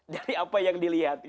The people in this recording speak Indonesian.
dari apa yang dilihat